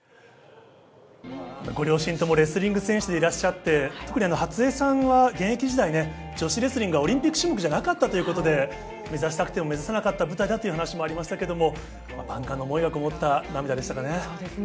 ご両親ともレスリング選手でいらっしゃって特に、初江さんは現役時代女子レスリングはオリンピック種目じゃなかったということで目指したくても目指せなかった舞台だという話もありましたけれども。